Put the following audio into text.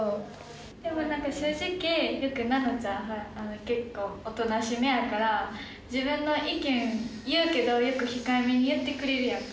でもなんか正直、ナナちゃんが、結構おとなしめやから、自分の意見言うけど、よく控えめに言ってくれるやんか。